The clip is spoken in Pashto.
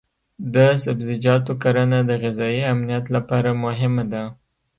د سبزیجاتو کرنه د غذایي امنیت لپاره مهمه ده.